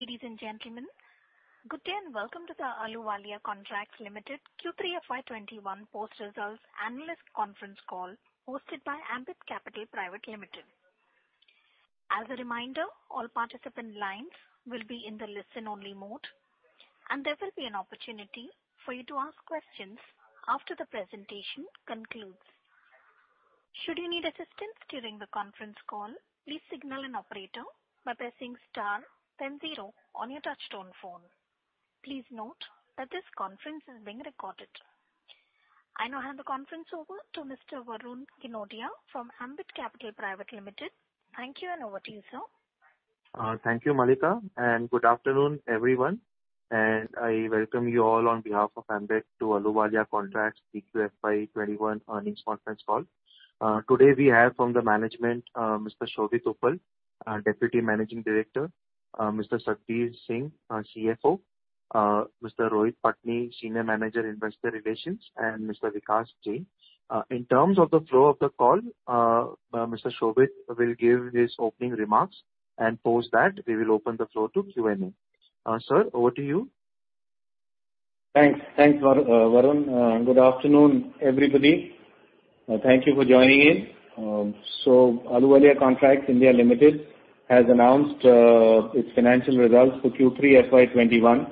Ladies and gentlemen, good day and welcome to the Ahluwalia Contracts (India) Limited Q3 FY 2021 post-results analyst conference call hosted by Ambit Capital Pvt Ltd. As a reminder, all participant lines will be in the listen-only mode, and there will be an opportunity for you to ask questions after the presentation concludes. Should you need assistance during the conference call, please signal an operator by pressing star then zero on your touch-tone phone. Please note that this conference is being recorded. I now hand the conference over to Mr. Varun Ginodia from Ambit Capital Pvt Ltd. Thank you and over to you, sir. Thank you, Malika, and good afternoon, everyone. I welcome you all on behalf of Ambit to Ahluwalia Contracts Q3 FY 2021 earnings conference call. Today we have from the management, Mr. Shobhit Uppal, Deputy Managing Director, Mr. Satbeer Singh, CFO, Mr. Rohit Patni, Senior Manager, Investor Relations, and Mr. Vikas Ahluwalia. In terms of the flow of the call, Mr. Shobhit will give his opening remarks and post that we will open the floor to Q&A. Sir, over to you. Thanks. Thanks, Varun. Good afternoon, everybody. Thank you for joining in. So Ahluwalia Contracts (India) Limited has announced its financial results for Q3 FY 2021.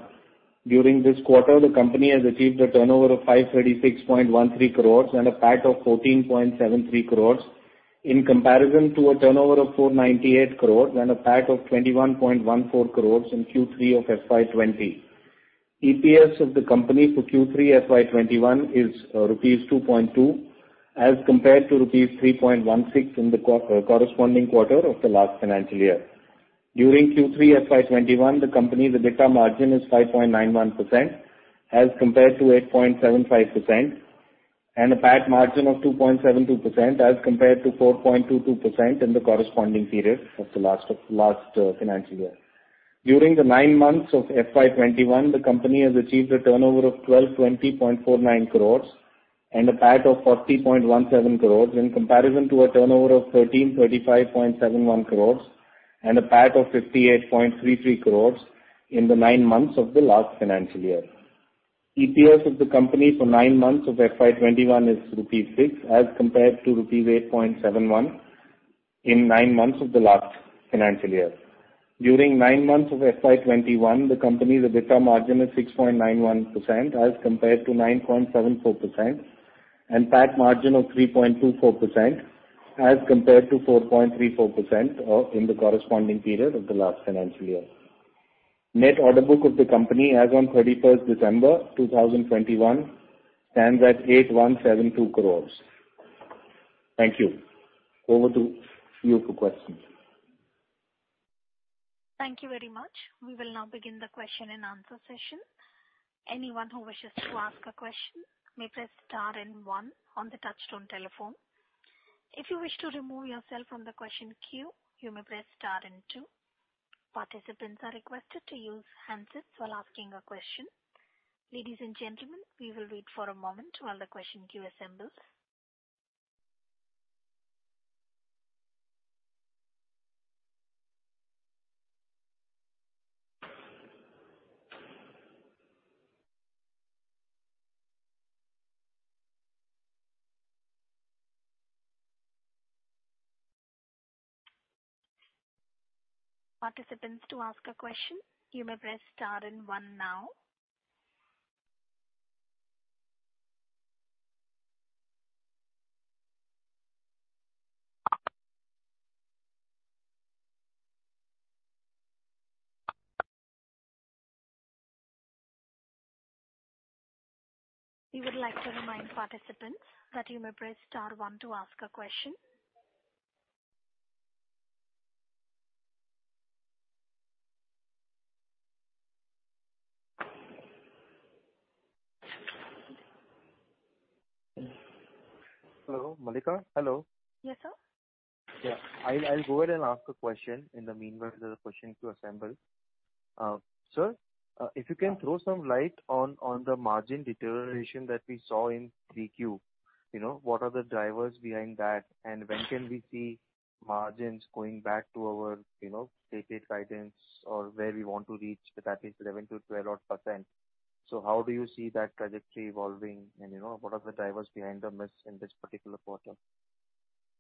During this quarter, the company has achieved a turnover of 536.13 crore and a PAT of 14.73 crore in comparison to a turnover of 498 crore and a PAT of 21.14 crore in Q3 of FY 2020. EPS of the company for Q3 FY 2021 is rupees 2.2 as compared to rupees 3.16 in the corresponding quarter of the last financial year. During Q3 FY 2021, the company's net margin is 5.91% as compared to 8.75% and a PAT margin of 2.72% as compared to 4.22% in the corresponding period of the last financial year. During the nine months of FY 2021, the company has achieved a turnover of 1,220.49 crores and a PAT of 40.17 crores in comparison to a turnover of 1,335.71 crores and a PAT of 58.33 crores in the nine months of the last financial year. EPS of the company for nine months of FY 2021 is rupees 6 as compared to rupees 8.71 in nine months of the last financial year. During nine months of FY 2021, the company's net margin is 6.91% as compared to 9.74% and PAT margin of 3.24% as compared to 4.34% in the corresponding period of the last financial year. Net order book of the company as on 31st December 2021 stands at 8,172 crores. Thank you. Over to you for questions. Thank you very much. We will now begin the question-and-answer session. Anyone who wishes to ask a question may press star and one on the touch-tone telephone. If you wish to remove yourself from the question queue, you may press star and two. Participants are requested to use handsets while asking a question. Ladies and gentlemen, we will wait for a moment while the question queue assembles. Participants to ask a question, you may press star and one now. We would like to remind participants that you may press star one to ask a question. Hello, Malika? Hello? Yes, sir? Yeah. I'll go ahead and ask a question. In the meanwhile, the question queue assembles. Sir, if you can throw some light on the margin deterioration that we saw in Q3, what are the drivers behind that, and when can we see margins going back to our stated guidance or where we want to reach, that is 11%-12%? So how do you see that trajectory evolving, and what are the drivers behind the mess in this particular quarter?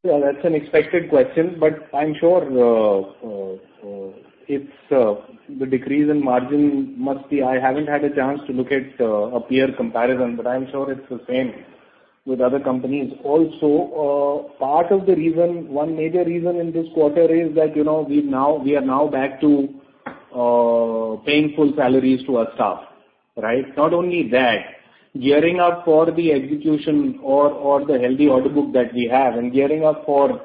Yeah, that's an expected question, but I'm sure the decrease in margin must be. I haven't had a chance to look at a peer comparison, but I'm sure it's the same with other companies. Also, part of the reason, one major reason in this quarter is that we are now back to paying full salaries to our staff, right? Not only that, gearing up for the execution or the healthy audit book that we have and gearing up for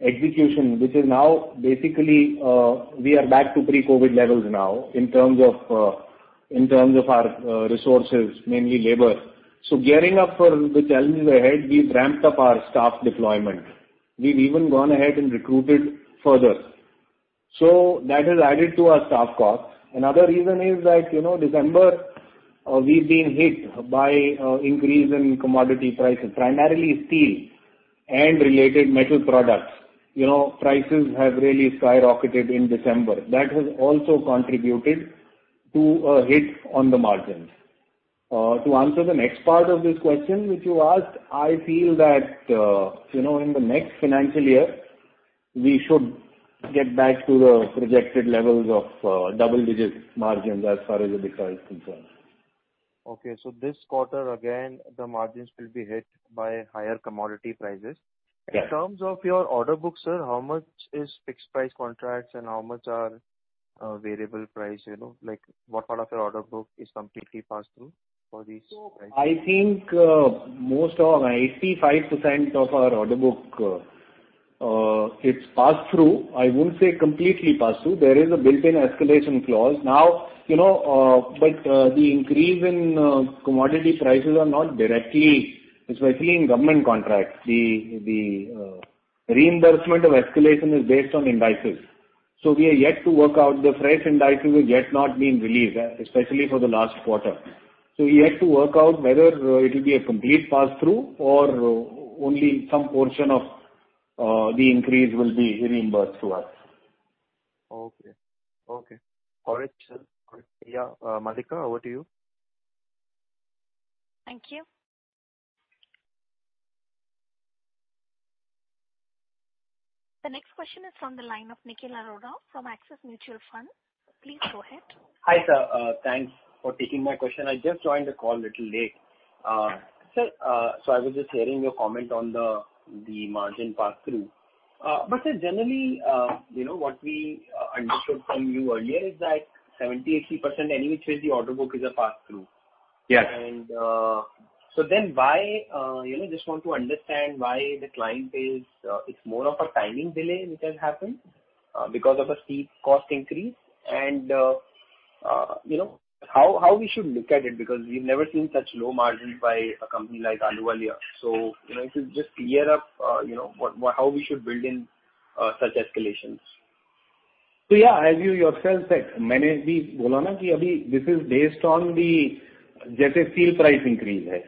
execution, which is now basically we are back to pre-COVID levels now in terms of our resources, mainly labor. So gearing up for the challenges ahead, we've ramped up our staff deployment. We've even gone ahead and recruited further. So that has added to our staff costs. Another reason is that December, we've been hit by an increase in commodity prices, primarily steel and related metal products. Prices have really skyrocketed in December. That has also contributed to a hit on the margins. To answer the next part of this question, which you asked, I feel that in the next financial year, we should get back to the projected levels of double-digit margins as far as the details concern. Okay. So this quarter, again, the margins will be hit by higher commodity prices. In terms of your order book, sir, how much is fixed-price contracts and how much are variable prices? What part of your order book is completely passed through for these prices? I think most of 85% of our order book, it's passed through. I won't say completely passed through. There is a built-in escalation clause now, but the increase in commodity prices are not directly, especially in government contracts. The reimbursement of escalation is based on indices. So we are yet to work out. The fresh indices have yet not been released, especially for the last quarter. So we have to work out whether it will be a complete pass-through or only some portion of the increase will be reimbursed to us. Okay. Okay. All right, sir. Yeah. Malika, over to you. Thank you. The next question is from the line of Nikhil Arora from Axis Mutual Fund. Please go ahead. Hi, sir. Thanks for taking my question. I just joined the call a little late. Sir, so I was just hearing your comment on the margin pass-through. But sir, generally, what we understood from you earlier is that 70%-80% anyway, the order book is a pass-through. And so then why I just want to understand why the client pays. It's more of a timing delay which has happened because of a steep cost increase and how we should look at it because we've never seen such low margins by a company like Ahluwalia. So if you could just clear up how we should build in such escalations. So yeah, as you yourself said, many of these bholana ki अभी this is based on the जैसे steel price increase है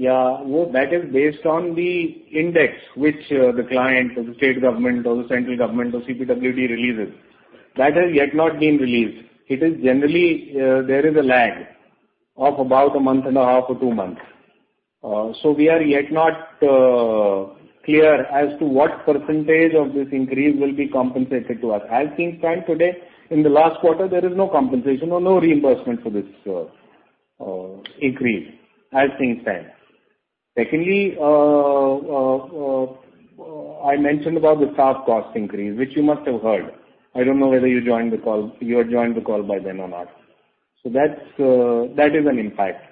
या वो that is based on the index which the client or the state government or the central government or CPWD releases. That has yet not been released. It is generally there is a lag of about a month and a half or two months. So we are yet not clear as to what percentage of this increase will be compensated to us. As things stand today, in the last quarter, there is no compensation or no reimbursement for this increase, as things stand. Secondly, I mentioned about the staff cost increase, which you must have heard. I don't know whether you had joined the call by then or not. So that is an impact.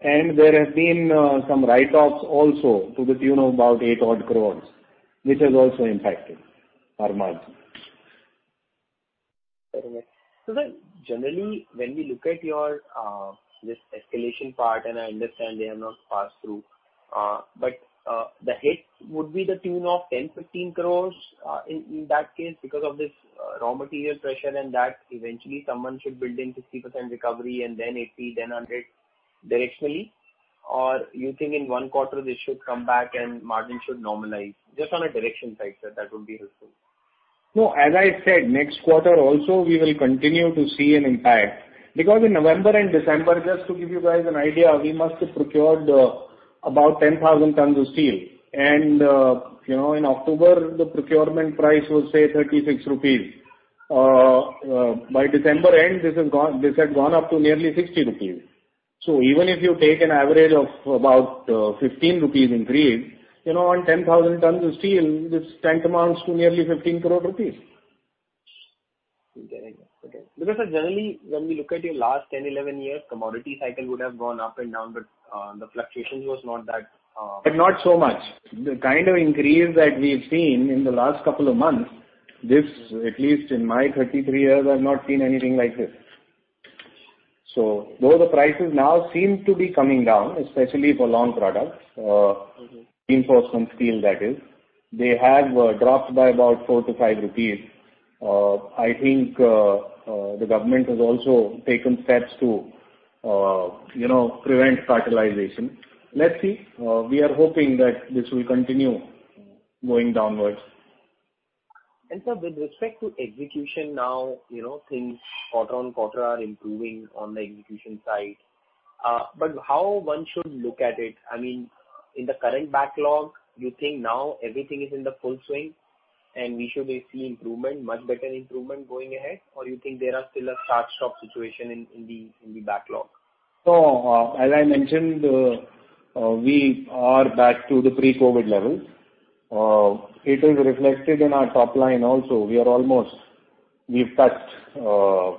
There have been some write-offs also to the tune of about 8 odd crores, which has also impacted our margin. Sir, generally, when we look at this escalation part and I understand they have not passed through, but the hit would be in the tune of 10-15 crore in that case because of this raw material pressure and that eventually someone should build in 50% recovery and then 80%, then 100% directionally? Or you think in one quarter, this should come back and margin should normalize? Just on a direction side, sir, that would be helpful. No, as I said, next quarter also, we will continue to see an impact because in November and December, just to give you guys an idea, we must have procured about 10,000 tons of steel. And in October, the procurement price was, say, 36 rupees. By December end, this had gone up to nearly 60 rupees. So even if you take an average of about 15 rupees increase, on 10,000 tons of steel, this taken amounts to nearly 15 crore rupees. Okay. Because, sir, generally, when we look at your last 10, 11 years, commodity cycle would have gone up and down, but the fluctuations was not that. But not so much. The kind of increase that we've seen in the last couple of months, at least in my 33 years, I've not seen anything like this. So though the prices now seem to be coming down, especially for long products, reinforcement steel, that is, they have dropped by about 4-INR five. I think the government has also taken steps to prevent cartelization. Let's see. We are hoping that this will continue going downwards. Sir, with respect to execution now, things quarter-on-quarter are improving on the execution side. But how one should look at it? I mean, in the current backlog, you think now everything is in the full swing, and we should see much better improvement going ahead, or you think there are still a start-stop situation in the backlog? So as I mentioned, we are back to the pre-COVID levels. It is reflected in our top line also. We have touched where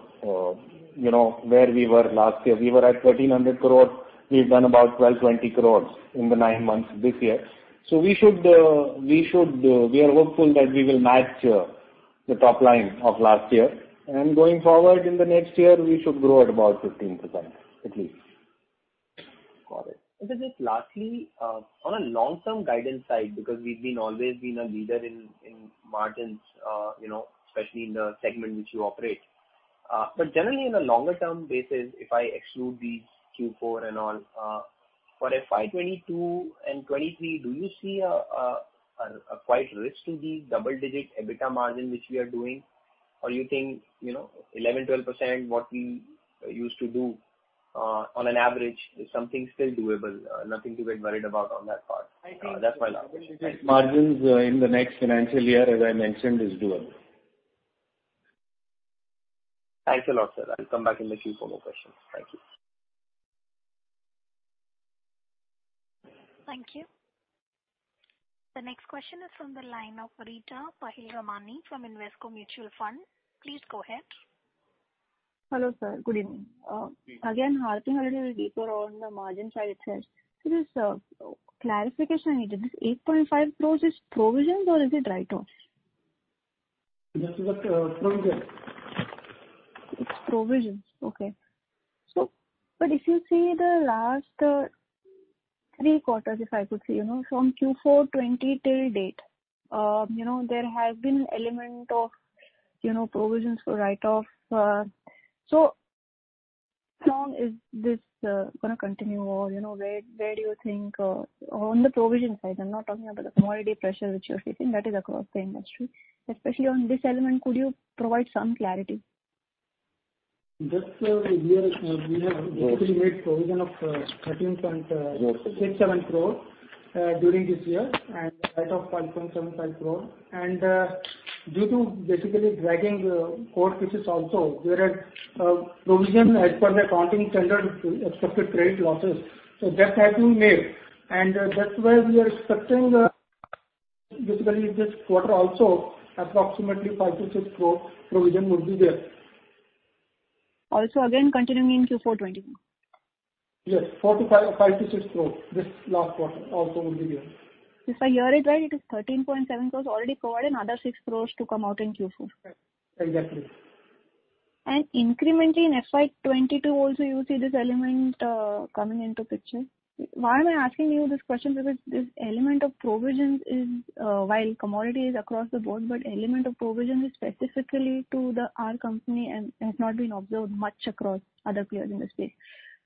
we were last year. We were at 1,300 crores. We've done about 1,220 crores in the nine months this year. So we are hopeful that we will match the top line of last year. And going forward, in the next year, we should grow at about 15% at least. All right. And sir, just lastly, on a long-term guidance side because we've always been a leader in margins, especially in the segment which you operate. But generally, on a longer-term basis, if I exclude these Q4 and all, for FY 2022 and 2023, do you see a quite risk to the double-digit EBITDA margin which we are doing, or you think 11%-12%, what we used to do on an average, is something still doable, nothing to get worried about on that part? That's my last question. I think double-digit margins in the next financial year, as I mentioned, is doable. Thanks a lot, sir. I'll come back in the Q4 with questions. Thank you. Thank you. The next question is from the line of Rita Tahilramani from Invesco Mutual Fund. Please go ahead. Hello, sir. Good evening. Again, Harpreet already did a deeper on the margin side itself. Sir, just clarification I needed. This 8.5 crore, is it provisions, or is it write-offs? This is a provision. It's provisions. Okay. But if you see the last three quarters, if I could see, from Q4 2020 till date, there has been an element of provisions for write-offs. So how long is this going to continue, or where do you think on the provisions side, I'm not talking about the commodity pressure which you're facing, that is across the industry, especially on this element, could you provide some clarity? Just, sir, we have basically made provision of 13.67 crore during this year and write-off 5.75 crore. Due to basically dragging court cases also, there are provisions as per the accounting standard of expected credit losses. That has been made. That's why we are expecting basically this quarter also, approximately 5 crore-6 crore provision would be there. Also, again, continuing in Q4 2021? Yes, 5 crore-6 crore this last quarter also would be there. If I hear it right, it is 13.7 crores already provided, another 6 crores to come out in Q4? Exactly. Incrementally in FY22 also, you see this element coming into picture? Why am I asking you this question? Because this element of provisions is while commodity is across the board, but the element of provisions is specifically to our company and has not been observed much across other players in the space.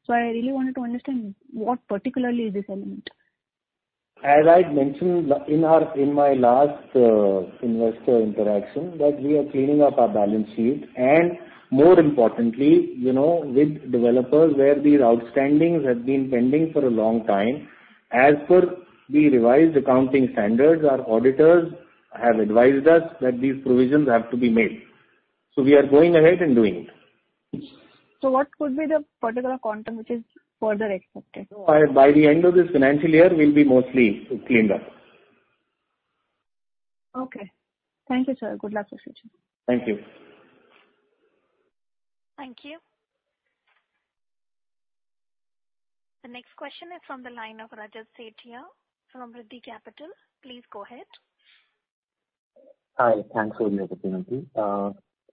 So I really wanted to understand what particularly is this element? As I mentioned in my last investor interaction, that we are cleaning up our balance sheet. More importantly, with developers where these outstandings have been pending for a long time, as per the revised accounting standards, our auditors have advised us that these provisions have to be made. We are going ahead and doing it. What would be the particular quantum which is further expected? By the end of this financial year, we'll be mostly cleaned up. Okay. Thank you, sir. Good luck with you, sir. Thank you. Thank you. The next question is from the line of Rajat Setia from Riddhi Capital. Please go ahead. Hi. Thanks for the opportunity,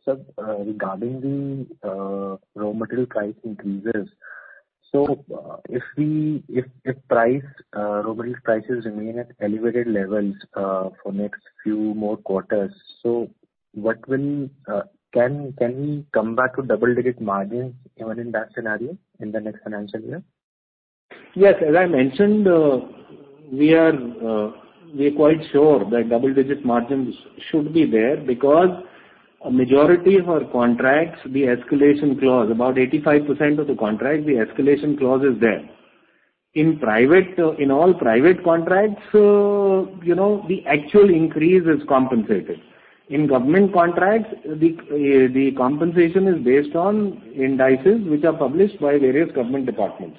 sir. Regarding the raw material price increases, so if raw materials prices remain at elevated levels for the next few more quarters, so can we come back to double-digit margins even in that scenario in the next financial year? Yes. As I mentioned, we are quite sure that double-digit margins should be there because a majority of our contracts, the escalation clause, about 85% of the contracts, the escalation clause is there. In all private contracts, the actual increase is compensated. In government contracts, the compensation is based on indices which are published by various government departments.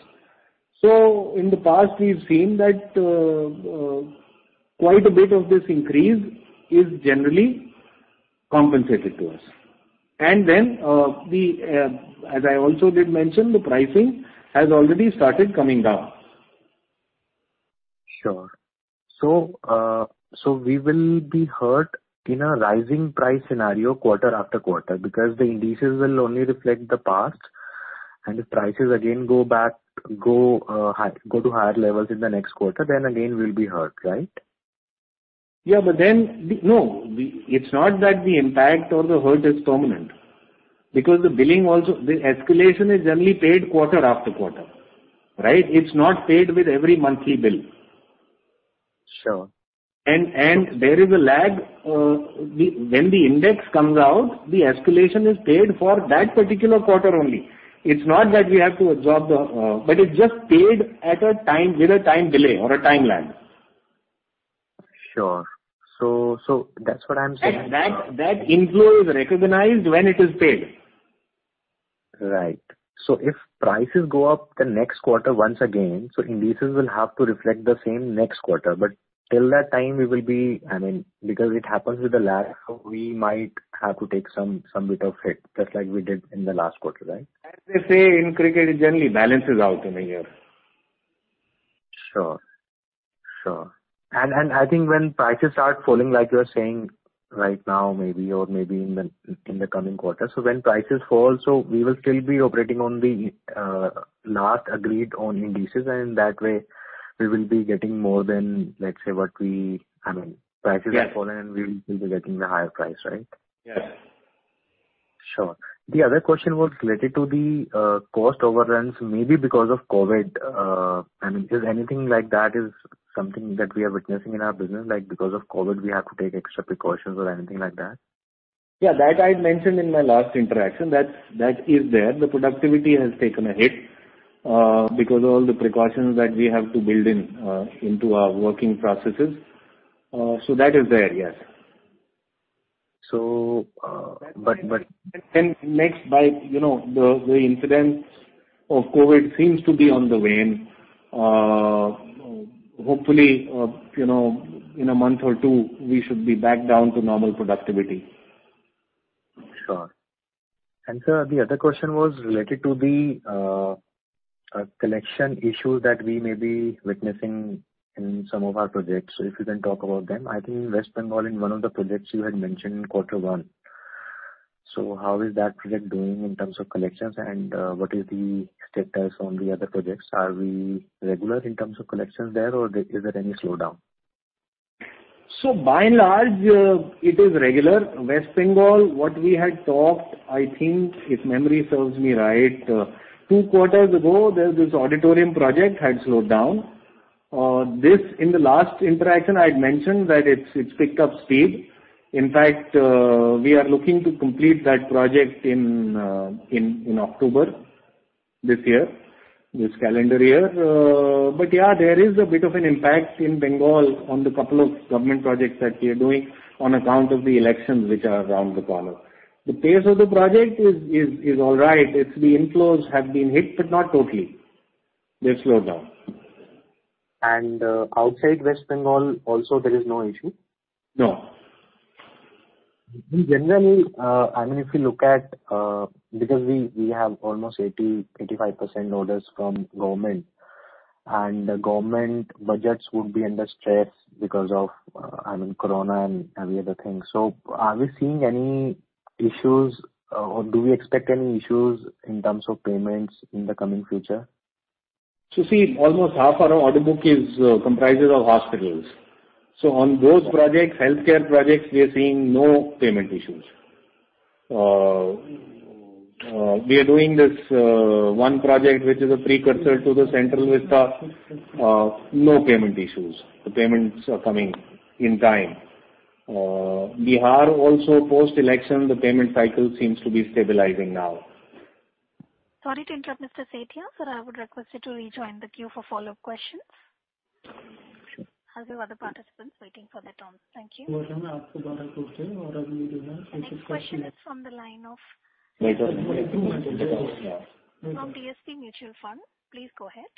So in the past, we've seen that quite a bit of this increase is generally compensated to us. And then as I also did mention, the pricing has already started coming down. Sure. So we will be hurt in a rising price scenario quarter after quarter because the indices will only reflect the past. And if prices again go to higher levels in the next quarter, then again, we'll be hurt, right? Yeah, but then no, it's not that the impact or the hurt is permanent because the billing, also the escalation, is generally paid quarter after quarter, right? It's not paid with every monthly bill. And there is a lag. When the index comes out, the escalation is paid for that particular quarter only. It's not that we have to absorb the but it's just paid with a time delay or a time lag. Sure. So that's what I'm saying. That inflow is recognized when it is paid. Right. So if prices go up the next quarter once again, so indices will have to reflect the same next quarter. But till that time, we will be I mean, because it happens with the lag, we might have to take some bit of hit just like we did in the last quarter, right? As they say in cricket, it generally balances out in a year. Sure. Sure. And I think when prices start falling, like you are saying right now maybe or maybe in the coming quarter, so when prices fall, so we will still be operating on the last agreed-on indices. And in that way, we will be getting more than, let's say, what we—I mean, prices have fallen, and we will be getting the higher price, right? Yes. Sure. The other question was related to the cost overruns, maybe because of COVID. I mean, is anything like that something that we are witnessing in our business? Because of COVID, we have to take extra precautions or anything like that? Yeah, that I mentioned in my last interaction. That is there. The productivity has taken a hit because of all the precautions that we have to build into our processes. So that is there, yes. Next, the incident of COVID seems to be on the way. Hopefully, in a month or two, we should be back down to normal productivity. Sure. And sir, the other question was related to the collection issues that we may be witnessing in some of our projects. So if you can talk about them, I think West Bengal in one of the projects you had mentioned in quarter one. So how is that project doing in terms of collections, and what is the status on the other projects? Are we regular in terms of collections there, or is there any slowdown? By and large, it is regular. West Bengal, what we had talked, I think, if memory serves me right, two quarters ago, this auditorium project had slowed down. In the last interaction, I had mentioned that it's picked up speed. In fact, we are looking to complete that project in October this year, this calendar year. But yeah, there is a bit of an impact in Bengal on the couple of government projects that we are doing on account of the elections which are around the corner. The pace of the project is all right. The inflows have been hit, but not totally. They've slowed down. Outside West Bengal also, there is no issue? No. I mean, if you look at because we have almost 85% orders from government, and government budgets would be under stress because of, I mean, corona and every other thing. So are we seeing any issues, or do we expect any issues in terms of payments in the coming future? So see, almost half our order book comprises of hospitals. So on those healthcare projects, we are seeing no payment issues. We are doing this one project which is a precursor to the Central Vista. No payment issues. The payments are coming in time. Bihar also, post-election, the payment cycle seems to be stabilizing now. Sorry to interrupt, Mr. Setia. Sir, I would request you to rejoin the queue for follow-up questions. Sure. I'll have other participants waiting for their turns. Thank you. What am I asked about? I could say. Or do you have specific questions? Next question is from the line of. Wait, sorry. Improvement in the cost. Yeah. From DSP Mutual Fund. Please go ahead.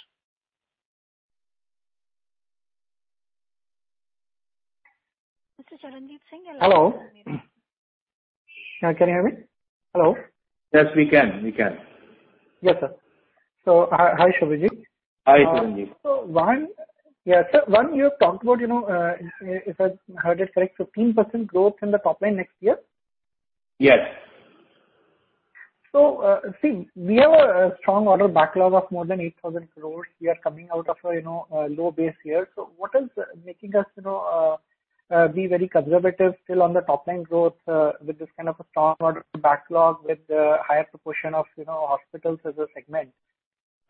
Mr. Charanjit Singh, hello? Hello. Can you hear me? Hello? Yes, we can. We can. Yes, sir. So hi, Shivaji. Hi, Charanjit. Yeah, sir. One, you have talked about, if I heard it correct, 15% growth in the top line next year? Yes. So see, we have a strong order backlog of more than 8,000 crore. We are coming out of a low base year. So what is making us be very conservative still on the top line growth with this kind of a strong order backlog with the higher proportion of hospitals as a segment?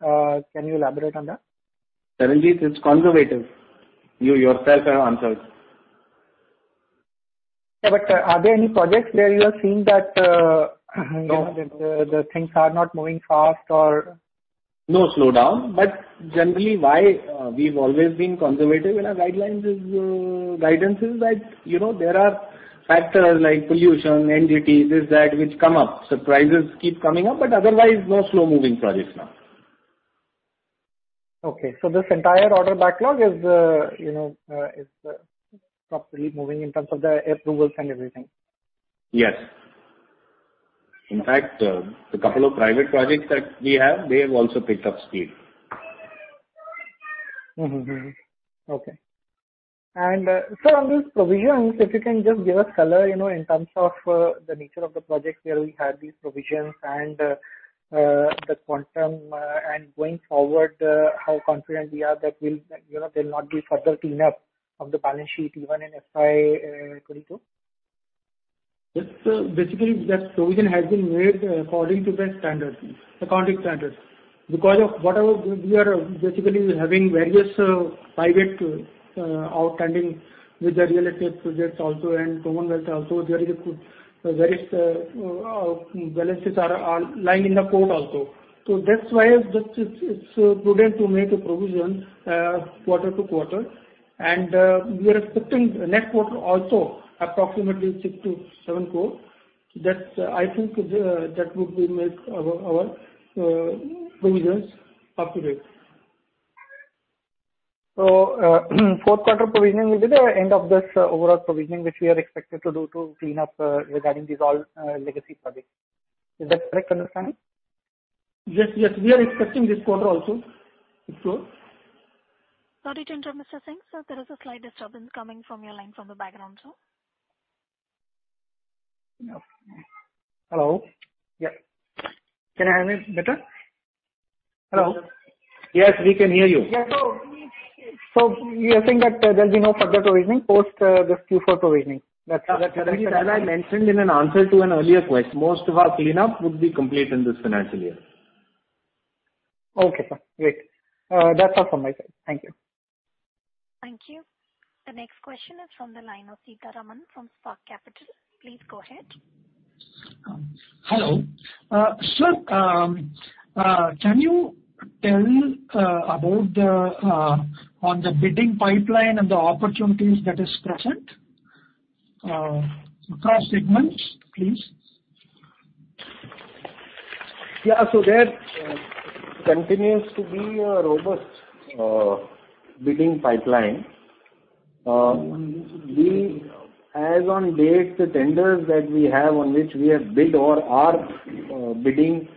Can you elaborate on that? Charanjit, it's conservative. You yourself have answered. Yeah, but are there any projects where you are seeing that the things are not moving fast or? No slowdown. But generally, why we've always been conservative in our guidelines is guidance is that there are factors like pollution, NGTs, this, that, which come up. Surprises keep coming up. But otherwise, no slow-moving projects now. Okay. This entire order backlog is properly moving in terms of the approvals and everything? Yes. In fact, the couple of private projects that we have, they have also picked up speed. Okay. And sir, on these provisions, if you can just give us color in terms of the nature of the projects where we had these provisions and the quantum and going forward, how confident we are that there'll not be further cleanup of the balance sheet even in FY22? Basically, that provision has been made according to the accounting standards because of whatever we are basically having various private outstandings with the real estate projects also and Commonwealth also. There are various balances lying in the court also. So that's why it's prudent to make a provision quarter to quarter. And we are expecting next quarter also approximately 6 crore-7 crore. I think that would make our provisions up to date. So fourth quarter provision will be the end of this overall provision which we are expected to do to clean up regarding these all legacy projects. Is that correct understanding? Yes, yes. We are expecting this quarter also. Sorry to interrupt, Mr. Singh. Sir, there is a slight disturbance coming from your line from the background too. Hello? Yes. Can I hear me better? Hello? Yes, we can hear you. Yeah. So we are saying that there'll be no further provisioning post this Q4 provision. That's correct? As I mentioned in an answer to an earlier question, most of our cleanup would be complete in this financial year. Okay, sir. Great. That's all from my side. Thank you. Thank you. The next question is from the line of Seetharaman R from Spark Capital. Please go ahead. Hello. Sir, can you tell about the bidding pipeline and the opportunities that is present across segments, please? Yeah. There continues to be a robust bidding pipeline. As on date, the tenders that we have on which we have bid or are bidding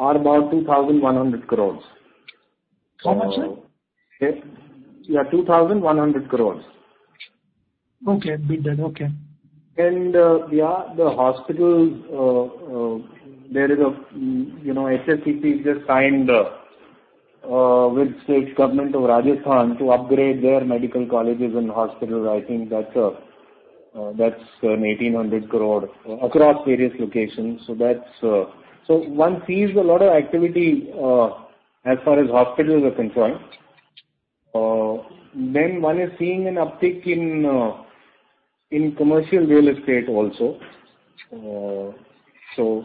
are about 2,100 crore. How much, sir? Yeah, 2,100 crores. Okay. Bid that. Okay. Yeah, the hospitals, there is a HSCC just signed with State Government of Rajasthan to upgrade their medical colleges and hospitals. I think that's 1,800 crore across various locations. So one sees a lot of activity as far as hospitals are concerned. Then one is seeing an uptick in commercial real estate also. So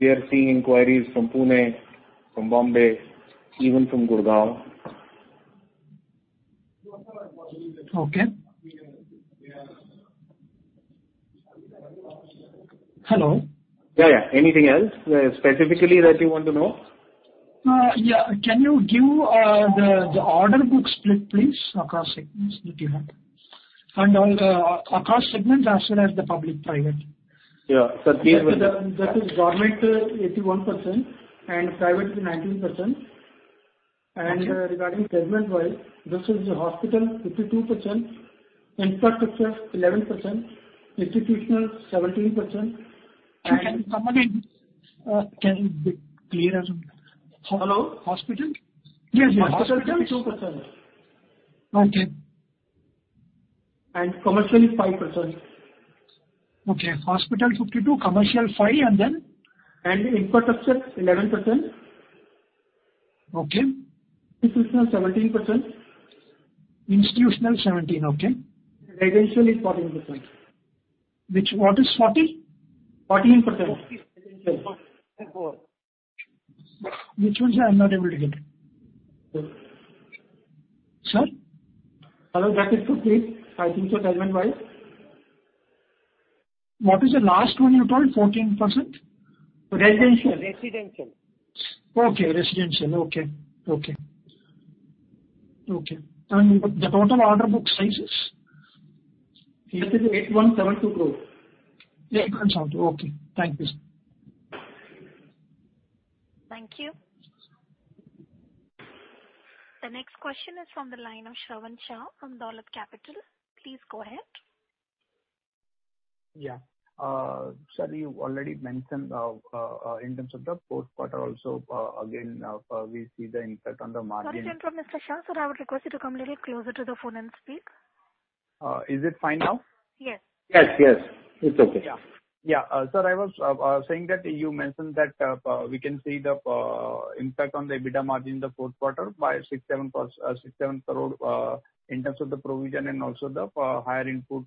we are seeing inquiries from Pune, from Bombay, even from Gurgaon. Okay. Hello? Yeah, yeah. Anything else specifically that you want to know? Yeah. Can you give the order book split, please, across segments that you have? And across segments as well as the public-private. Yeah. That is government 81% and private 19%. Regarding segment-wise, this is hospital 52%, infrastructure 11%, institutional 17%. Can you summarize? Can you be clearer? Hello? Hospital? Yes, yes. Hospital 52%. Okay. Commercial is 5%. Okay. Hospital 52, commercial 5, and then? Infrastructure 11%. Okay. Institutional 17%. Institutional 17. Okay. Residential is 14%. What is 14? 14%. Which one I'm not able to get? Sir? Hello? That is complete. I think so segment-wise. What is the last one you told? 14%? Residential? Residential. Okay. Residential. Okay. Okay. Okay. And the total order book size is? It is INR 8,172 crore. Okay. Thank you. Thank you. The next question is from the line of Shravan Shah from Dolat Capital. Please go ahead. Yeah. Sir, you already mentioned in terms of the fourth quarter also, again, we see the impact on the margin. Sorry to interrupt, Mr. Shah. Sir, I would request you to come a little closer to the phone and speak. Is it fine now? Yes. Yes, yes. It's okay. Yeah. Yeah. Sir, I was saying that you mentioned that we can see the impact on the EBITDA margin in the fourth quarter by 6-7 crore in terms of the provision and also the higher input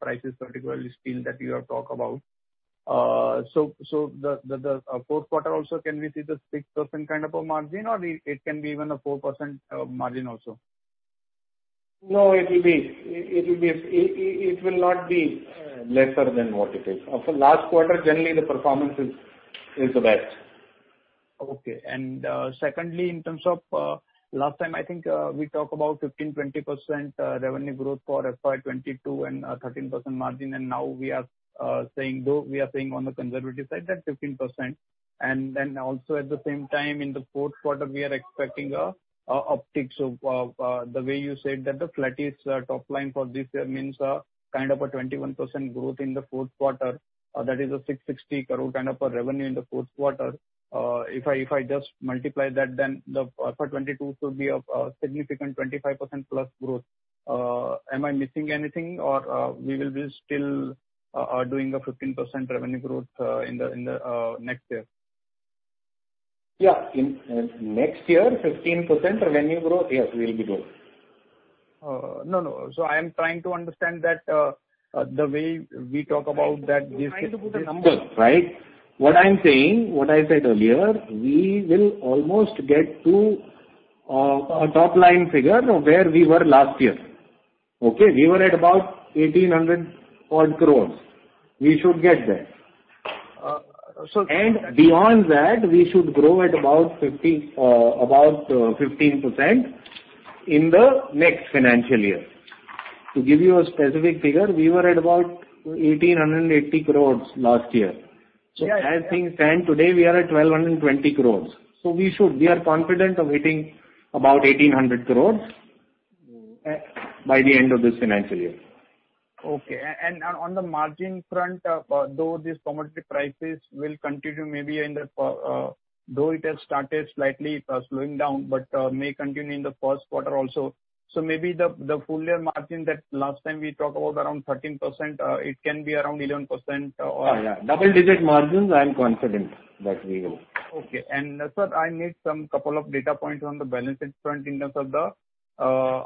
prices, particularly steel that you have talked about. So the fourth quarter also, can we see the 6% kind of a margin, or it can be even a 4% margin also? No, it will be. It will not be lesser than what it is. Last quarter, generally, the performance is the best. Okay. And secondly, in terms of last time, I think we talked about 15%-20% revenue growth for FY22 and 13% margin. And now we are saying though we are saying on the conservative side that 15%. And then also at the same time, in the fourth quarter, we are expecting an uptick. So the way you said that the flattest top line for this year means kind of a 21% growth in the fourth quarter. That is a 660 crore kind of a revenue in the fourth quarter. If I just multiply that, then the FY22 should be a significant 25% plus growth. Am I missing anything, or we will be still doing a 15% revenue growth in the next year? Yeah. Next year, 15% revenue growth, yes, we will be doing. No, no. So I am trying to understand that the way we talk about that this. Trying to put a number, right? What I'm saying, what I said earlier, we will almost get to a top line figure where we were last year. Okay? We were at about 1,800 crores. We should get there. Beyond that, we should grow at about 15% in the next financial year. To give you a specific figure, we were at about 1,880 crores last year. So as things stand today, we are at 1,220 crores. So we are confident of hitting about 1,800 crores by the end of this financial year. Okay. On the margin front, though these commodity prices will continue maybe though it has started slightly slowing down, but may continue in the first quarter also. Maybe the full year margin that last time we talked about around 13%, it can be around 11% or. Yeah, yeah. Double-digit margins, I'm confident that we will. Okay. Sir, I need some couple of data points on the balance sheet front in terms of the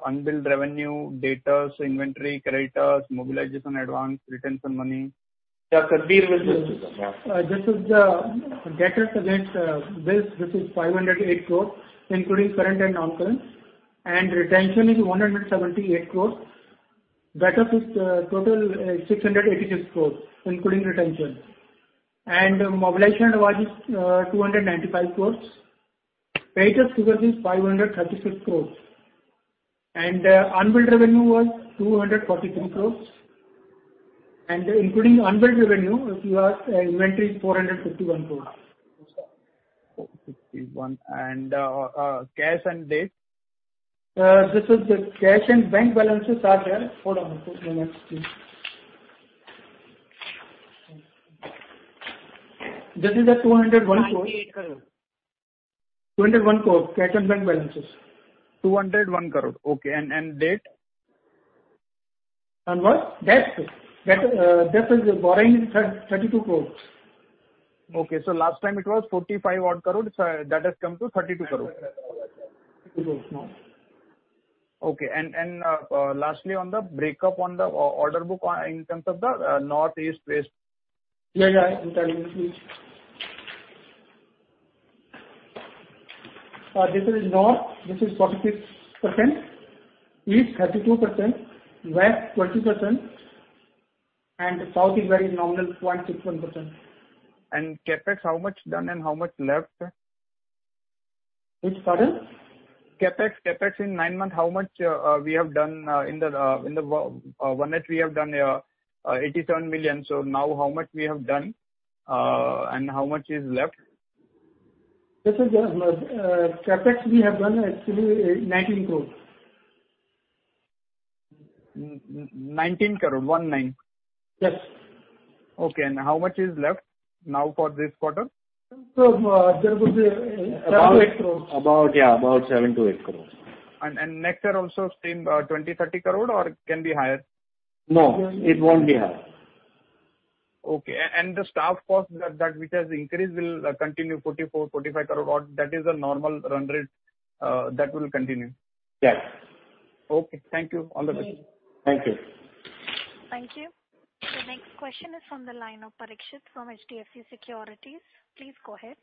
unbilled revenue data, inventory credits, mobilization advance, retention money. Yeah, Satbeer will. Yes, sir. Yeah. This is the advance against bills. This is 508 crores, including current and non-current. Retention is 178 crores. Advance total is 686 crores, including retention. Mobilization was 295 crores. Payable figures is 536 crores. Unbilled revenue was 243 crores. Including unbilled revenue, if you ask, inventory is 451 crores. And cash and debt? This is the cash and bank balances are there. Hold on. One moment, please. This is the INR 201 crore. 298 crores. 201 crore, cash and bank balances. 201 crore. Okay. And date? What? Debt. Debt is borrowing is 32 crore. Okay. So last time, it was 45-odd crore. That has come to 32 crore. 32 crore now. Okay. And lastly, on the breakup on the order book in terms of the north, east, west. Yeah, yeah. Interrupt me, please. This is north. This is 46%. East 32%. West 20%. And south is where it is nominal 0.61%. CAPEX, how much done and how much left? Which pardon? CAPEX. CAPEX in nine months, how much we have done in the one that we have done here, 87 million. So now how much we have done and how much is left? This is CapEx we have done, actually, INR 19 crore. 19 crore. 19. Yes. Okay. And how much is left now for this quarter? There will be 7 crore-8 crore. About, yeah, about 7-8 crore. And next year also same 20-30 crore, or can be higher? No, it won't be higher. Okay. And the staff cost that which has increased will continue 44 crore-45 crore. That is a normal run rate that will continue? Yes. Okay. Thank you. All the best. Thank you. Thank you. The next question is from the line of Parikshit from HDFC Securities. Please go ahead.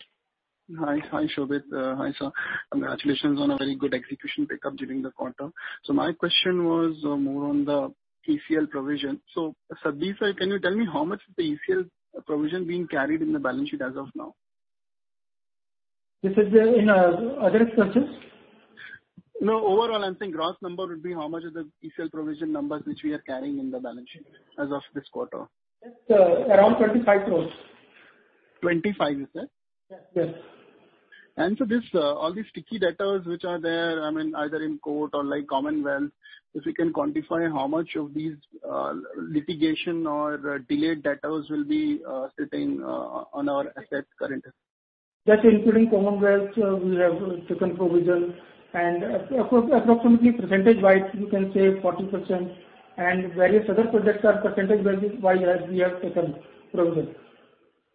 Hi, Shobhit. Hi, sir. Congratulations on a very good execution pickup during the quarter. So my question was more on the ECL provision. So Satbeer, can you tell me how much is the ECL provision being carried in the balance sheet as of now? This is in other expenses? No, overall, I'm saying gross number would be how much of the ECL provision numbers which we are carrying in the balance sheet as of this quarter. Around 25 crore. 25, you said? Yes, yes. And so all these sticky debtors which are there, I mean, either in court or commonwealth, if we can quantify how much of these litigation or delayed debtors will be sitting on our assets currently? That's including commonwealth, we have taken provision. Approximately percentage-wise, you can say 40%. Various other projects are percentage-wise as we have taken provision.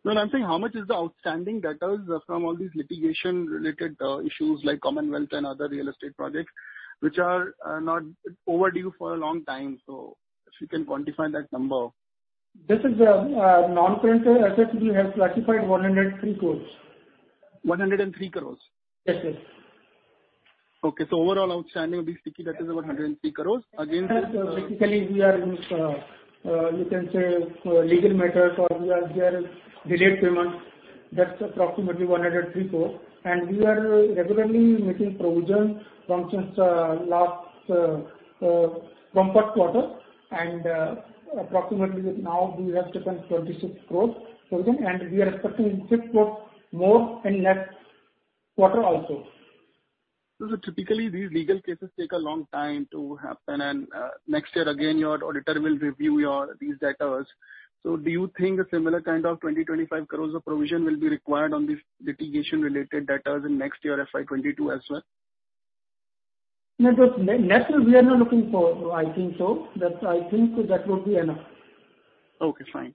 Well, I'm saying how much is the outstanding debtors from all these litigation-related issues like commonwealth and other real estate projects which are not overdue for a long time? So if you can quantify that number. This is non-current assets we have classified 103 crores. 103 crores? Yes, yes. Okay. So overall outstanding of these sticky debtors about 103 crore. Again, this. Basically, we are in, you can say, legal matters or we are there is delayed payments. That's approximately 103 crore. We are regularly making provisions from since last from first quarter. Approximately now, we have taken 26 crore provision. We are expecting 6 crore more in next quarter also. Typically, these legal cases take a long time to happen. Next year, again, your auditor will review these debtors. Do you think a similar kind of 20-25 crore of provision will be required on these litigation-related debtors in next year, FY22 as well? No, nothing we are not looking for. I think so. I think that would be enough. Okay. Fine.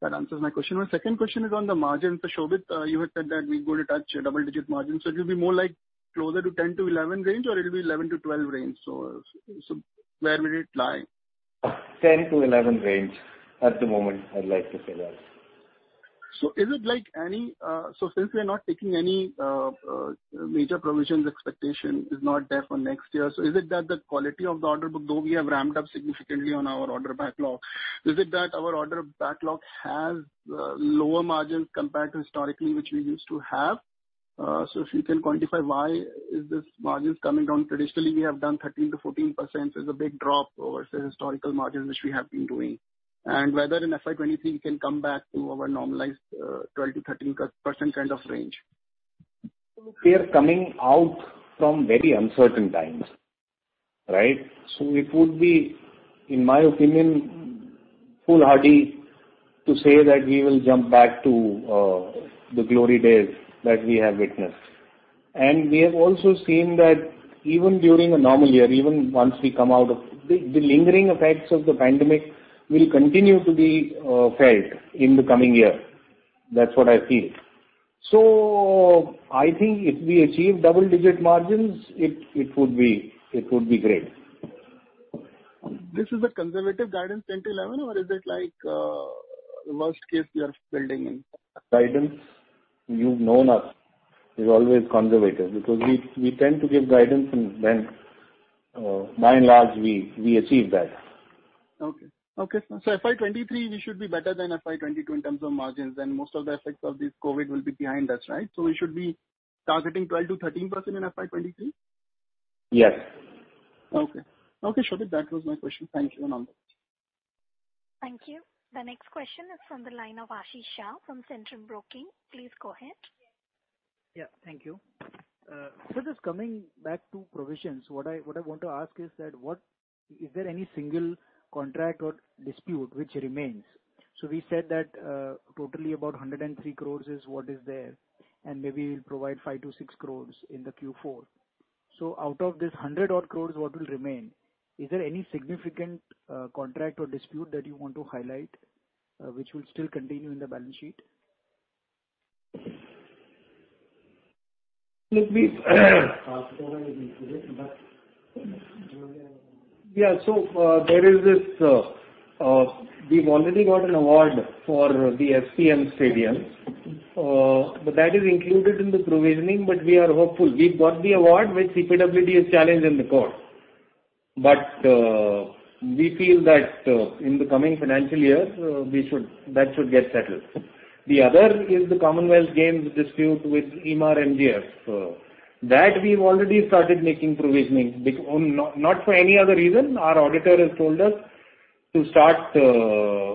That answers my question. My second question is on the margins. So Shobhit, you had said that we're going to touch double-digit margins. So it will be more like closer to 10-11 range, or it will be 11-12 range? So where will it lie? 10 to 11 range at the moment, I'd like to say that. So, is it like any so since we are not taking any major provisions expectation; it's not there for next year. So, is it that the quality of the order book, though we have ramped up significantly on our order backlog, is it that our order backlog has lower margins compared to historically which we used to have? So, if you can quantify why is this margin coming down? Traditionally, we have done 13%-14%. So, it's a big drop over the historical margins which we have been doing. Whether in FY23, we can come back to our normalized 12%-13% kind of range. We are coming out from very uncertain times, right? It would be, in my opinion, foolhardy to say that we will jump back to the glory days that we have witnessed. We have also seen that even during a normal year, even once we come out of the lingering effects of the pandemic, will continue to be felt in the coming year. That's what I feel. I think if we achieve double-digit margins, it would be great. This is a conservative guidance 10-11, or is it like worst case you are building in? Guidance, you've known us, is always conservative because we tend to give guidance. And then by and large, we achieve that. Okay. Okay. So FY23, we should be better than FY22 in terms of margins. Then most of the effects of this COVID will be behind us, right? So we should be targeting 12%-13% in FY23? Yes. Okay. Okay, Shobhit, that was my question. Thank you and all the best. Thank you. The next question is from the line of Ashish Shah from Centrum Broking. Please go ahead. Yeah. Thank you. Sir, just coming back to provisions, what I want to ask is that is there any single contract or dispute which remains? So we said that totally about 103 crore is what is there. And maybe we'll provide 5 crore-6 crore in the Q4. So out of this 100-odd crore, what will remain? Is there any significant contract or dispute that you want to highlight which will still continue in the balance sheet? Let me. Confident I will be through it, but. Yeah. So there is this we've already got an award for the SPM Stadium. But that is included in the provisioning. But we are hopeful. We've got the award, which CPWD has challenged in the court. But we feel that in the coming financial year, that should get settled. The other is the Commonwealth Games dispute with Emaar MGF. That we've already started making provisioning not for any other reason. Our auditor has told us to start.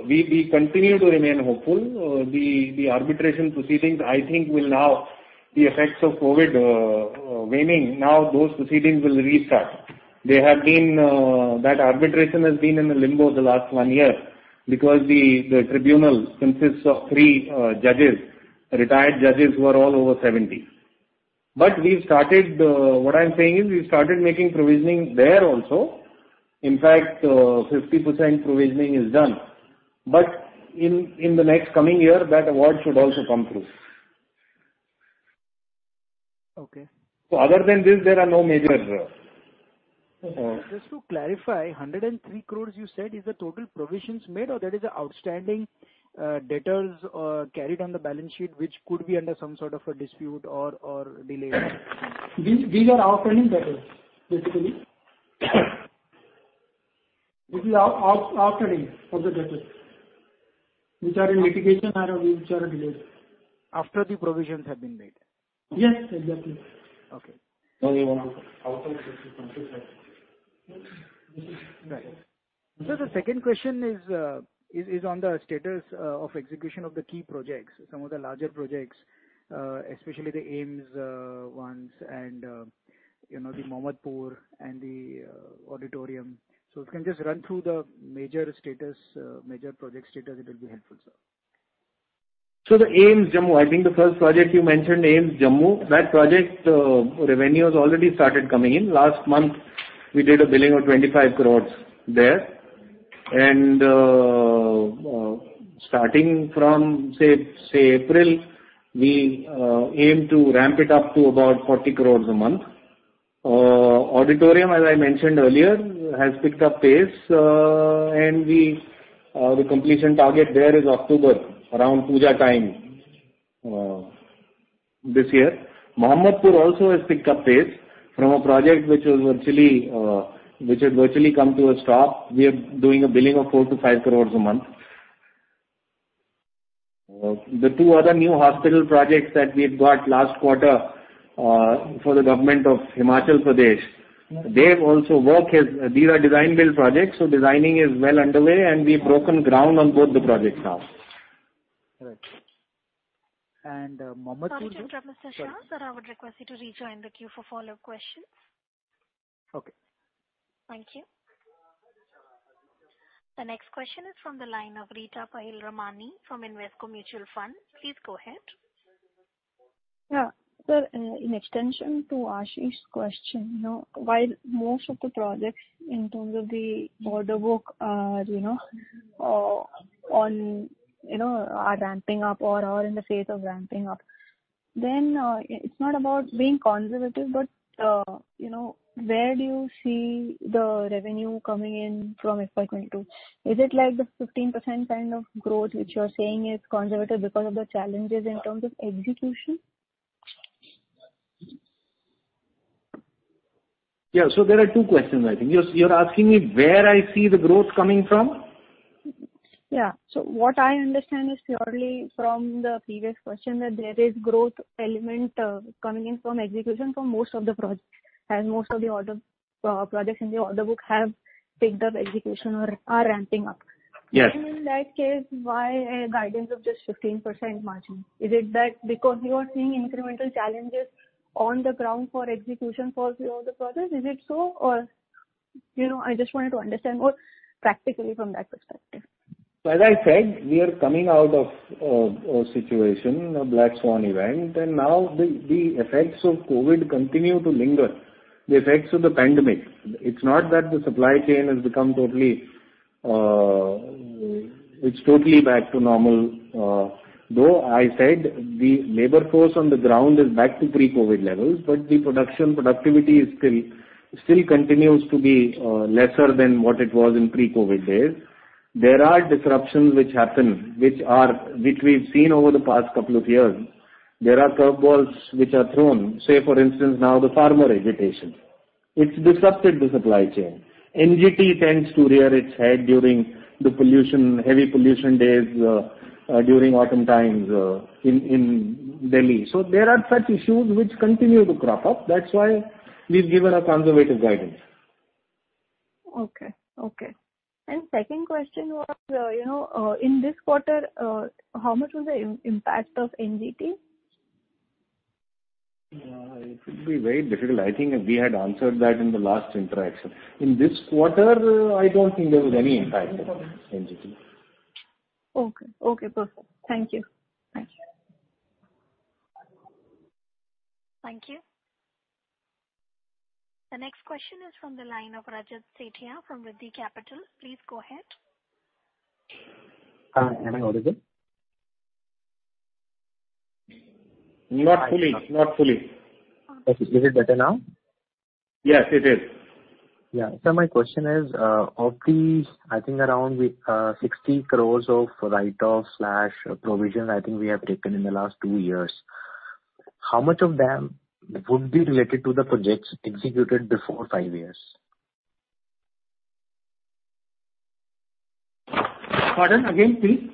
We continue to remain hopeful. The arbitration proceedings, I think, will now the effects of COVID waning. Now, those proceedings will restart. That arbitration has been in the limbo the last one year because the tribunal consists of three retired judges who are all over 70. But what I'm saying is we've started making provisioning there also. In fact, 50% provisioning is done. But in the next coming year, that award should also come through. So other than this, there are no major. Just to clarify, 103 crore you said, is the total provisions made, or that is the outstanding debtors carried on the balance sheet which could be under some sort of a dispute or delay? These are outstanding debtors, basically. This is outstanding of the debtors which are in litigation or which are delayed. After the provisions have been made? Yes, exactly. Okay. Sir, the second question is on the status of execution of the key projects, some of the larger projects, especially the AIIMS ones and the Mohammadpur and the auditorium. So if you can just run through the major project status, it will be helpful, sir. So the AIIMS Jammu, I think the first project you mentioned, AIIMS Jammu, that project revenue has already started coming in. Last month, we did a billing of 25 crore there. And starting from, say, April, we aim to ramp it up to about 40 crore a month. Auditorium, as I mentioned earlier, has picked up pace. And the completion target there is October, around Pooja time this year. Mohammadpur also has picked up pace from a project which had virtually come to a stop. We are doing a billing of 4 crore-5 crore a month. The two other new hospital projects that we've got last quarter for the government of Himachal Pradesh, they also work as these are design-build projects. So designing is well underway. And we've broken ground on both the projects now. Correct. And Mohammadpur. Thank you, Professor Shah. Sir, I would request you to rejoin the queue for follow-up questions. Okay. Thank you. The next question is from the line of Rita Tahilramani from Invesco Mutual Fund. Please go ahead. Yeah. Sir, in extension to Ashish's question, while most of the projects in terms of the order book are on ramping up or are in the phase of ramping up, then it's not about being conservative, but where do you see the revenue coming in from FY22? Is it like the 15% kind of growth which you're saying is conservative because of the challenges in terms of execution? Yeah. So there are two questions, I think. You're asking me where I see the growth coming from? Yeah. So what I understand is purely from the previous question that there is growth element coming in from execution for most of the projects as most of the projects in the order book have picked up execution or are ramping up. In that case, why a guidance of just 15% margin? Is it because you are seeing incremental challenges on the ground for execution for all the projects? Is it so? Or I just wanted to understand more practically from that perspective. So as I said, we are coming out of a situation, a black swan event. And now, the effects of COVID continue to linger, the effects of the pandemic. It's not that the supply chain has become totally it's totally back to normal. Though I said the labor force on the ground is back to pre-COVID levels, but the production productivity still continues to be lesser than what it was in pre-COVID days. There are disruptions which happen which we've seen over the past couple of years. There are curveballs which are thrown. Say, for instance, now the farmer agitation. It's disrupted the supply chain. NGT tends to rear its head during the heavy pollution days during autumn times in Delhi. So there are such issues which continue to crop up. That's why we've given a conservative guidance. Okay. Okay. Second question was, in this quarter, how much was the impact of NGT? It would be very difficult. I think we had answered that in the last interaction. In this quarter, I don't think there was any impact of NGT. Okay. Okay. Perfect. Thank you. Thank you. Thank you. The next question is from the line of Rajat Setia from Riddhi Capital. Please go ahead. Hi, can I audit it? Not fully. Not fully. Is it better now? Yes, it is. Yeah. Sir, my question is, of the I think around 60 crore of write-offs/provisions I think we have taken in the last two years, how much of them would be related to the projects executed before five years? Pardon? Again, please.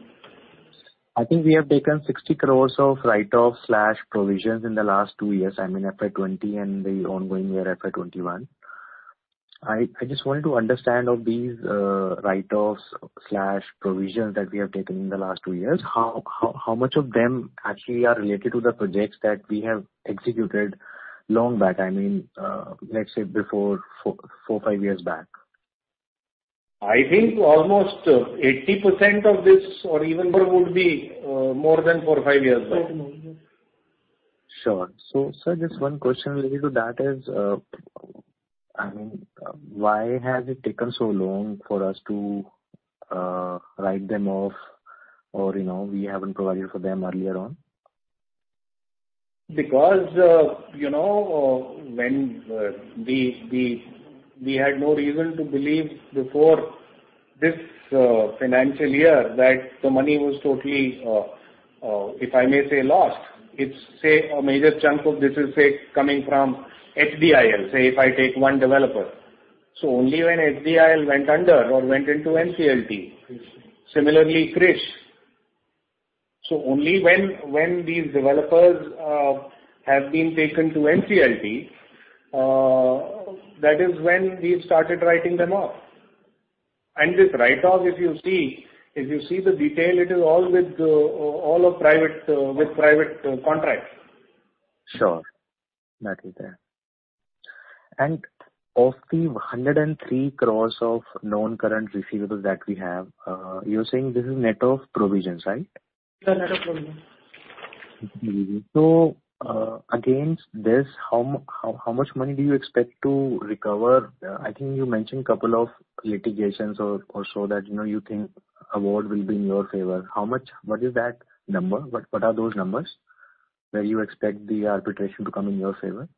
I think we have taken 60 crore of write-offs/provisions in the last two years, I mean, FY 2020 and the ongoing year, FY 2021. I just wanted to understand of these write-offs/provisions that we have taken in the last two years, how much of them actually are related to the projects that we have executed long back, I mean, let's say, four, five years back? I think almost 80% of this or even would be more than 4, 5 years back. Sure. So, sir, just one question related to that is, I mean, why has it taken so long for us to write them off or we haven't provided for them earlier on? Because when we had no reason to believe before this financial year that the money was totally, if I may say, lost, it's, say, a major chunk of this is, say, coming from HDIL, say, if I take one developer. So only when HDIL went under or went into NCLT, similarly, Krrish. So only when these developers have been taken to NCLT, that is when we've started writing them off. And this write-off, if you see the detail, it is all with private contracts. Sure. That is there. And of the 103 crore of known current receivables that we have, you're saying this is net of provisions, right? Yeah, net of provisions. So against this, how much money do you expect to recover? I think you mentioned a couple of litigations or so that you think award will be in your favor. What is that number? What are those numbers where you expect the arbitration to come in your favor?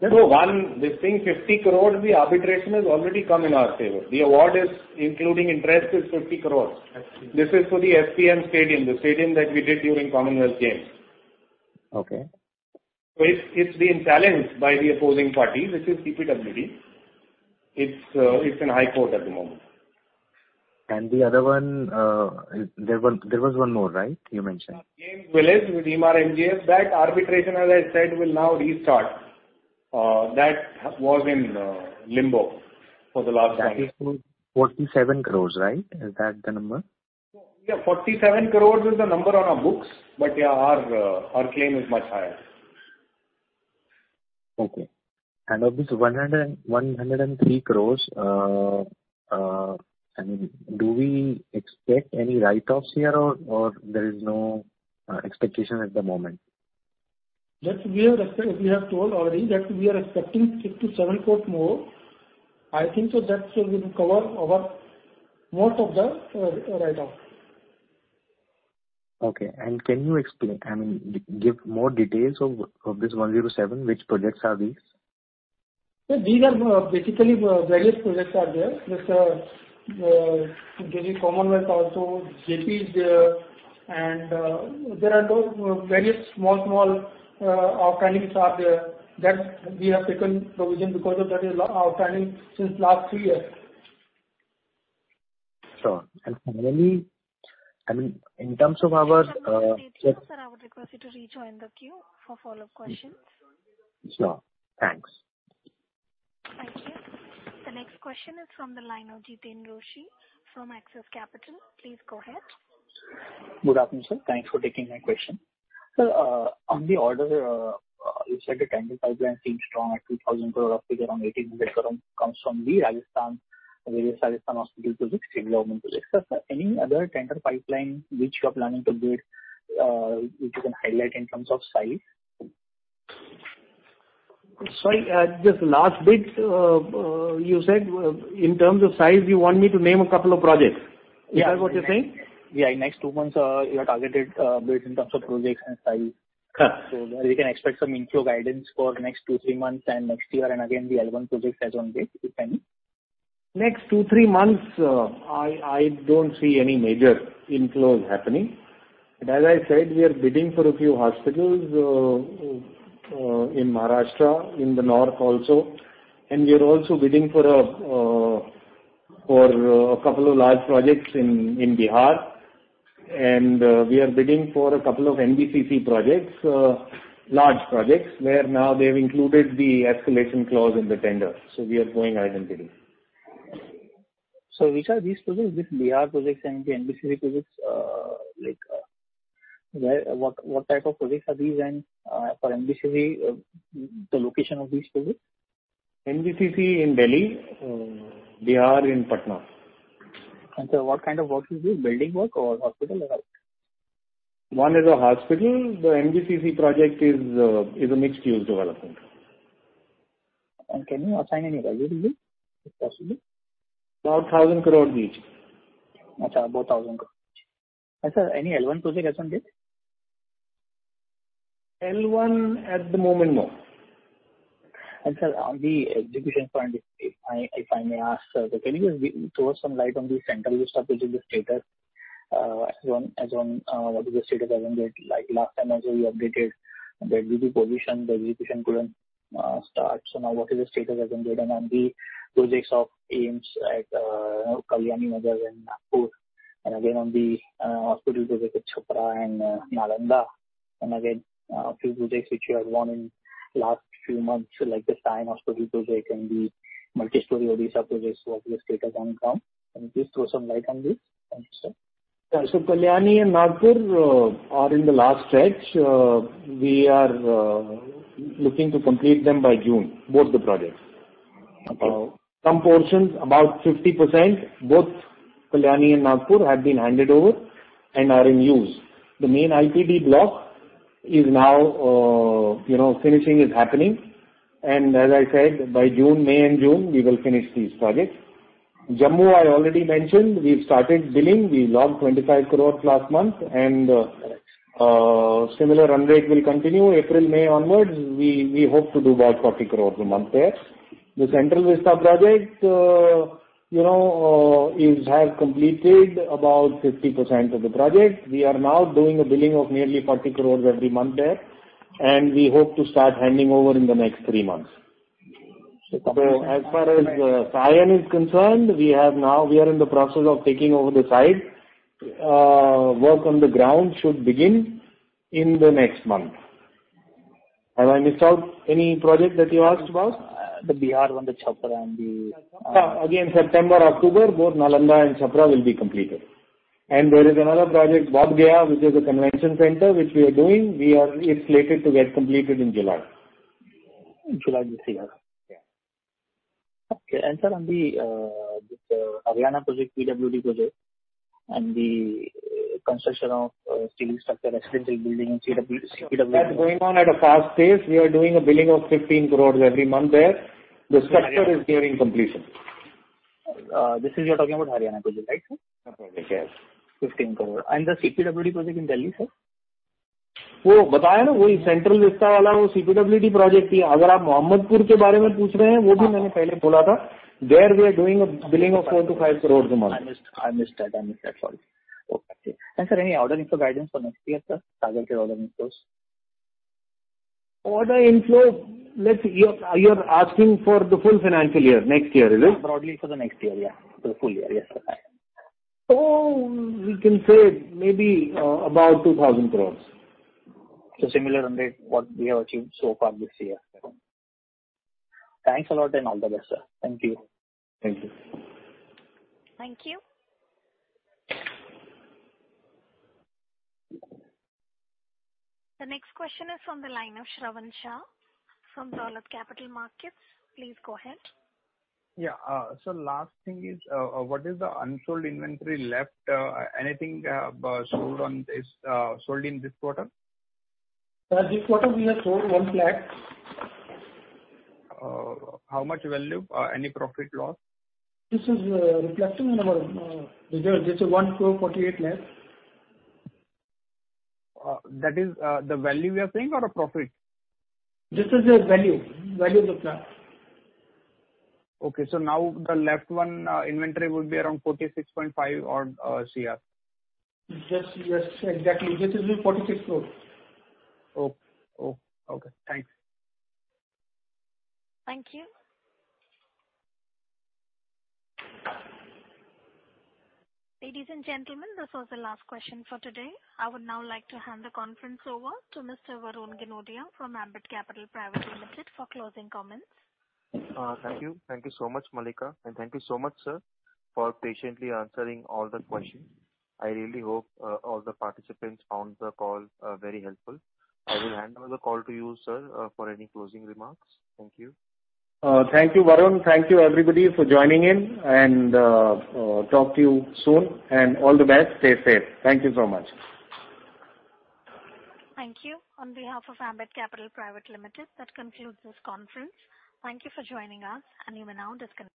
So, 1, we think 50 crore, the arbitration has already come in our favor. The award, including interest, is 50 crores. This is for the SPM Stadium, the stadium that we did during Commonwealth Games. So it's been challenged by the opposing party, which is CPWD. It's in High Court at the moment. And the other one, there was one more, right, you mentioned? Games Village with Emaar MGF, that arbitration, as I said, will now restart. That was in limbo for the last one. That is 47 crore, right? Is that the number? Yeah. 47 crore is the number on our books. But yeah, our claim is much higher. Okay. Of this 103 crore, I mean, do we expect any write-offs here, or there is no expectation at the moment? We have told already that we are expecting 6 crores-7 crores more. I think so that will cover most of the write-off. Okay. Can you explain, I mean, give more details of this 107? Which projects are these? Basically, various projects are there. Just to give you Commonwealth also, JP is there. There are various small, small outstandings are there that we have taken provision because of that outstanding since last three years. Sure. Finally, I mean, in terms of our. Thank you, sir. I would request you to rejoin the queue for follow-up questions. Sure. Thanks. Thank you. The next question is from the line of Jiten Rushi from Axis Capital. Please go ahead. Good afternoon, sir. Thanks for taking my question. Sir, on the order, you said the tender pipeline seemed strong at 2,000 crore up to around 1,800 crore comes from Rajasthan, various Rajasthan hospital projects, state government projects. Sir, any other tender pipeline which you are planning to bid which you can highlight in terms of size? Sorry. Just last bit, you said in terms of size, you want me to name a couple of projects. Is that what you're saying? Yeah. In the next two months, you have targeted bids in terms of projects and size. So we can expect some inflow guidance for next two, three months and next year. And again, the L1 project has on date, if any. Next 2-3 months, I don't see any major inflows happening. As I said, we are bidding for a few hospitals in Maharashtra, in the north also. We are also bidding for a couple of large projects in Bihar. We are bidding for a couple of NBCC projects, large projects where now they've included the escalation clause in the tender. We are going right into it. So which are these projects, these Bihar projects and the NBCC projects? What type of projects are these? And for NBCC, the location of these projects? NBCC in Delhi, Bihar in Patna. Sir, what kind of work is this, building work or hospital or what? One is a hospital. The NBCC project is a mixed-use development. Can you assign any value to this, if possible? About INR 1,000 crore each. About INR 1,000 crore each. And sir, any L1 project has on date? at the moment, no. Sir, on the execution front, if I may ask, sir, can you just throw some light on the Central Vista projects, the status as of what is the status as of date? Last time, as we updated, that due to pollution, the execution couldn't start. So now, what is the status as of date? And on the projects of AIIMS at Kalyani, Motihari and Nagpur, and again, on the hospital project at Chhapra and Nalanda, and again, a few projects which you had won in the last few months, like the Sion Hospital project and the multistorey Odisha project, what is the status on ground? Can you please throw some light on this? Thank you, sir. So Kalyani and Nagpur are in the last stretch. We are looking to complete them by June, both the projects. Some portions, about 50%, both Kalyani and Nagpur have been handed over and are in use. The main IPD block is now finishing is happening. And as I said, by May and June, we will finish these projects. Jammu, I already mentioned. We've started billing. We logged 25 crore last month. And similar run rate will continue April, May onwards. We hope to do about 40 crore a month there. The Central Vista project has completed about 50% of the project. We are now doing a billing of nearly 40 crore every month there. And we hope to start handing over in the next three months. So as far as Sion is concerned, we are in the process of taking over the site. Work on the ground should begin in the next month. Have I missed out any project that you asked about? The Bihar one, the Chhapra, and the. Again, September, October, both Nalanda and Chhapra will be completed. There is another project, Bodh Gaya, which is a convention center which we are doing. It's slated to get completed in July. July this year. Okay. Sir, on this Haryana project, PWD project, and the construction of steel structure, residential building in CW. That's going on at a fast pace. We are doing a billing of 15 crore every month there. The structure is nearing completion. This is the one you're talking about, the Haryana project, right, sir? Yes. 15 crore. And the CPWD project in Delhi, sir? Wo bataya na, wahi Central Vista wala, wo CPWD project hi hai. Agar aap Mohammadpur ke baare mein pooch rahe hain, wo bhi maine pehle bola tha. There we are doing a billing of 4 crore-5 crore tomorrow. I missed that. I missed that. Sorry. Okay. Sir, any ordering for guidance for next year, sir, Sagarkeordering for us? Order inflow, you're asking for the full financial year, next year, is it? Broadly for the next year, yeah, for the full year. Yes, sir. So we can say maybe about 2,000 crore. So similar run rate what we have achieved so far this year. Thanks a lot and all the best, sir. Thank you. Thank you. Thank you. The next question is from the line of Shravan Shah from Dolat Capital Markets. Please go ahead. Yeah. So last thing is, what is the unsold inventory left? Anything sold in this quarter? This quarter, we have sold one flat. How much value, any profit loss? This is reflecting in our result. This is INR 1.48 crore left. That is the value we are saying or a profit? This is the value of the flat. Okay. So now the net own inventory would be around 46.5 crores or CR? Yes. Yes. Exactly. This is 46 crore. Okay. Okay. Thanks. Thank you. Ladies and gentlemen, this was the last question for today. I would now like to hand the conference over to Mr. Varun Ginodia from Ambit Capital Private Limited for closing comments. Thank you. Thank you so much, Malika. Thank you so much, sir, for patiently answering all the questions. I really hope all the participants found the call very helpful. I will hand over the call to you, sir, for any closing remarks. Thank you. Thank you, Varun. Thank you, everybody, for joining in. And talk to you soon. And all the best. Stay safe. Thank you so much. Thank you. On behalf of Ambit Capital Private Limited, that concludes this conference. Thank you for joining us. And you may now disconnect.